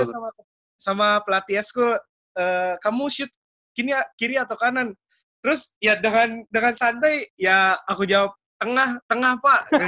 sama pelatih school kamu syutingnya kiri atau kanan terus ya dengan dengan santai ya aku jawab tengah tengah pak